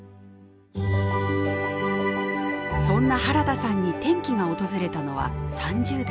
そんな原田さんに転機が訪れたのは３０代。